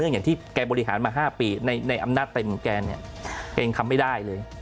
อย่างที่แกบริหารมา๕ปีในอำนาจเต็มของแกเนี่ยแกเองทำไม่ได้เลย